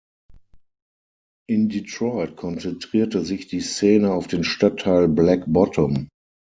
In Detroit konzentrierte sich die Szene auf den Stadtteil Black Bottom.